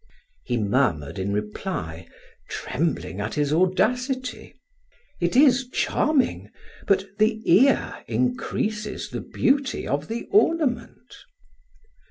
He murmured in reply, trembling at his audacity: "It is charming but the ear increases the beauty of the ornament."